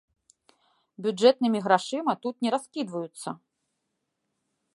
Бюджэтнымі грашыма тут не раскідваюцца.